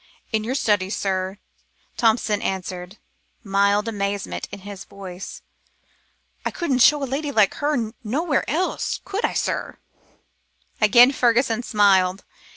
"In your study, sir," Thompson answered, mild amazement in his voice. "I couldn't show a lady like her nowhere else, could I, sir?" Again Fergusson smiled.